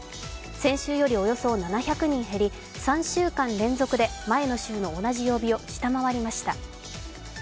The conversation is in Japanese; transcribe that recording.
先週よりおよそ７００人減り３週間連続で、前の週の同じ曜日を下回りました。